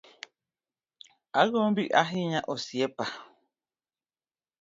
Agombi ahinya osiepa